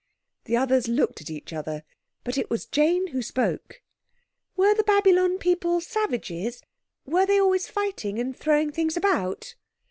The others looked at each other, but it was Jane who spoke. "Were the Babylon people savages, were they always fighting and throwing things about?"